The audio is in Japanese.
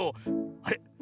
あれ？